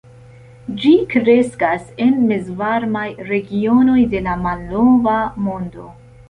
Ĝi kreskas en mezvarmaj regionoj de la malnova mondo.